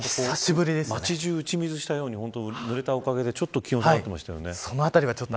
町中、打ち水したようにぬれたおかげで、ちょっと気温下がっていましたよね。